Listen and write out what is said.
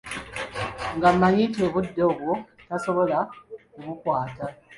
Ng'amanyi nti obudde obwo tasobola kubukwata.